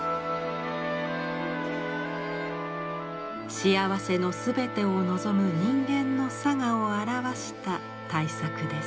幸せの全てを望む人間のさがを表した大作です。